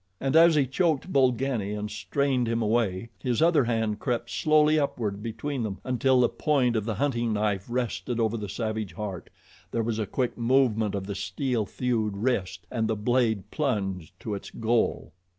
And as he choked Bolgani and strained him away, his other hand crept slowly upward between them until the point of the hunting knife rested over the savage heart there was a quick movement of the steel thewed wrist and the blade plunged to its goal.